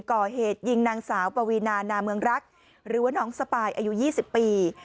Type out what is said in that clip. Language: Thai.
ก่อเหตุยิงนางสาวปวีนานาเมืองรักหรือว่าน้องสปายอายุ๒๐ปี